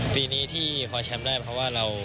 ปีนี้ที่คว้าแชมป์ได้เพราะว่าเรา